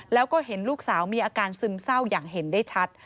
แล้วก็เห็นลูกสาวมีอาการซึมเศร้าอย่างเห็นได้ชัด